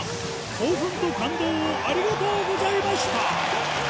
興奮と感動をありがとうございました！